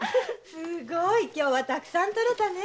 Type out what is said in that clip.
すごい！今日はたくさん採れたね。